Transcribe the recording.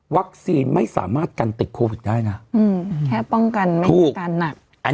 วัคซีนไม่สามารถกันติดโควิดได้น่ะอืมแค่ป้องกันไม่กันน่ะอัน